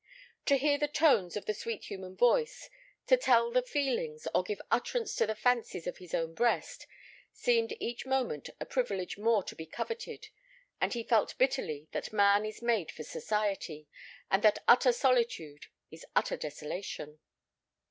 To hear the tones of the sweet human voice, to tell the feelings, or give utterance to the fancies of his own breast, seemed each moment a privilege more to be coveted, and he felt bitterly that man is made for society, and that utter solitude is utter desolation.